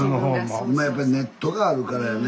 今やっぱりネットがあるからやね。